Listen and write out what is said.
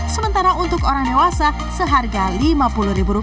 sementara untuk orang dewasa seharga rp lima puluh